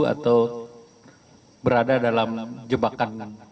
atau berada dalam jebakan